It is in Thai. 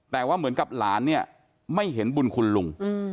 แต่ว่าเหมือนกับหลานเนี่ยไม่เห็นบุญคุณลุง